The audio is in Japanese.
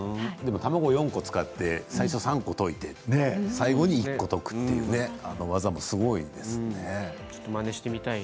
卵４個使って最初に３個溶いて最後に１個溶くという技もすごいですね。